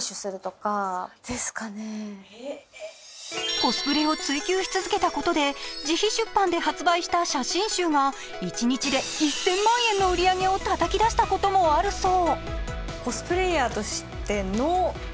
コスプレを追求し続けたことで自費出版で発売した写真集が一日で１０００万円の売り上げをたたき出したこともあるという。